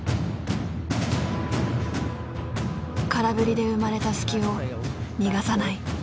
空振りで生まれた隙を逃がさない。